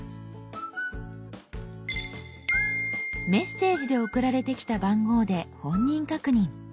「メッセージ」で送られてきた番号で本人確認。